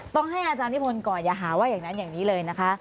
ต้องให้อาจารย์นิพนธ์ก่อนอย่าหาว่าอย่างนั้นอย่างนี้เลยนะคะ